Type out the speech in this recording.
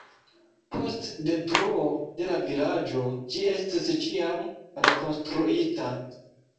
Post detruo de la vilaĝo, ĝi estis ĉiam rekonstruita.